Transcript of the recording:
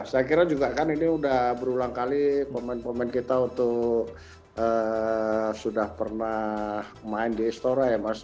saya kira juga kan ini sudah berulang kali pemain pemain kita untuk sudah pernah main di istora ya mas